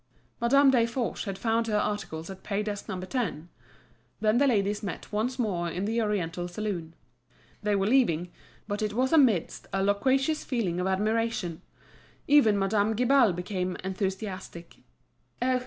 Madame Desforges had found her articles at pay desk No. 10. Then the ladies met once more in the oriental saloon. They were leaving, but it was amidst a loquacious feeling of admiration. Even Madame Guibal became enthusiastic. "Oh!